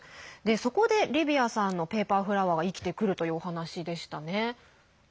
そこでリヴィアさんのペーパーフラワーが生きてくるというお話でしたね。